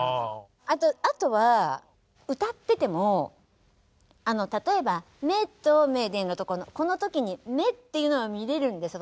あとは歌っててもあの例えば「目と目で」のところのこの時に「目」っていうのは見れるんです。